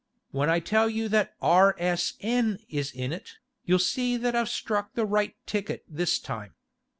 When I tell you that R.S.N. is in it, you'll see that I've struck the right ticket this time.